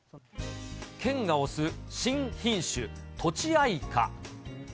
県が推す新品種、とちあいか。